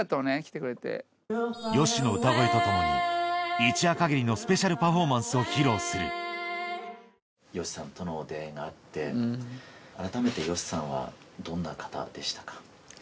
一夜限りのスペシャルパフォーマンスを披露するＹＯＳＨＩさんとの出会いがあって改めてＹＯＳＨＩさんはどんな方でしたか？